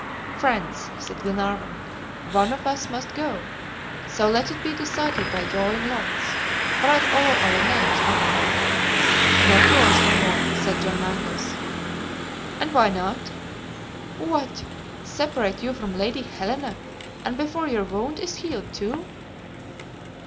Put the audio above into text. "Friends," said Glenarvan, "one of us must go, so let it be decided by drawing lots. Write all our names, Paganel." "Not yours, my Lord," said John Mangles. "And why not?" "What! separate you from Lady Helena, and before your wound is healed, too!"